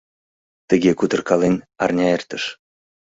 Тыге кутыркален арня эртыш.